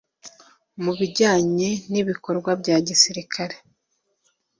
mu bijyanye n ibikorwa bya gisirikare